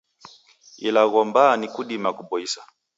Ilagho mbaa ni kudima kuboisa